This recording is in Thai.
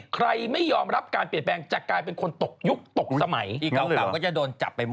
ไม่ยอมรับการเปลี่ยนแปลงจะกลายเป็นคนตกยุคตกสมัยเก่าก็จะโดนจับไปหมด